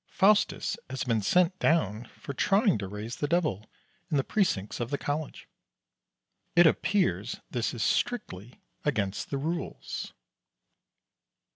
Faustus has been sent down for trying to raise the Devil in the precincts of the College. It appears this is strictly against the rules.